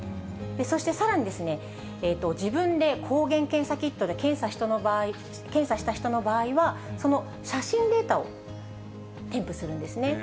そしてさらに自分で抗原検査キットで検査した人の場合は、その写真データを添付するんですね。